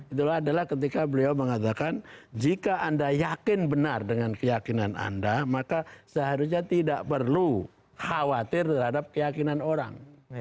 itulah adalah ketika beliau mengatakan jika anda yakin benar dengan keyakinan anda maka seharusnya tidak perlu khawatir terhadap keyakinan orang